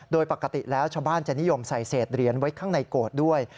โดยปกติแล้วชาวบ้านจะนิยมใส่เศษเหรียญไว้ข้างในโกรธด้วย